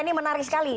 ini menarik sekali